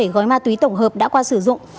bảy gói ma túy tổng hợp đã qua sử dụng